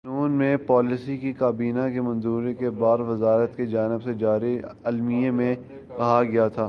جون میں پالیسی کی کابینہ کی منظوری کے بعد وزارت کی جانب سے جاری اعلامیے میں کہا گیا تھا